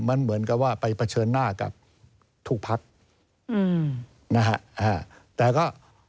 มันเหมือนกับว่าไปไปเผชิญหน้ากับทุกภัคทร์แต่ก็